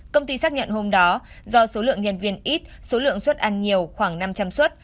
công ty xác nhận hôm đó do số lượng nhân viên ít số lượng xuất ăn nhiều khoảng năm trăm linh suất